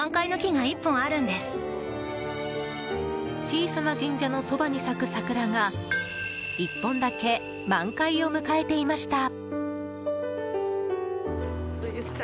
小さな神社のそばに咲く桜が１本だけ満開を迎えていました。